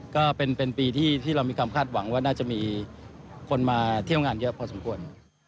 ก็เป็นปีที่เรามีความคาดหวังว่าน่าจะมีคนมาเที่ยวงานเยอะพอสมควร